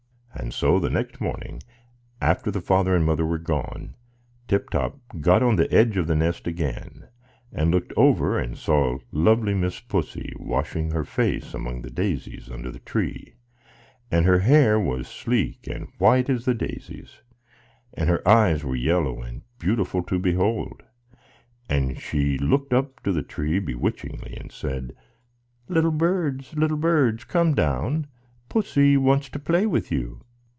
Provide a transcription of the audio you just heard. So the next morning, after the father and mother were gone, Tip Top got on the edge of the nest again, and looked over and saw lovely Miss Pussy washing her face among the daisies under the tree, and her hair was sleek and white as the daisies, and her eyes were yellow and beautiful to behold, and she looked up to the tree bewitchingly, and said, "Little birds, little birds, come down; Pussy wants to play with you."